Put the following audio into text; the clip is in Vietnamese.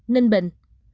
hai ninh bình